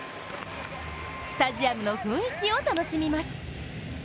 スタジアムの雰囲気を楽しみます。